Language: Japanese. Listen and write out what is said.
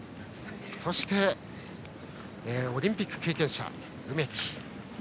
そしてオリンピック経験者の梅木。